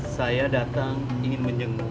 saya datang ingin menyenguk